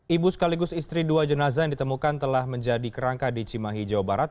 ibu sekaligus istri dua jenazah yang ditemukan telah menjadi kerangka di cimahi jawa barat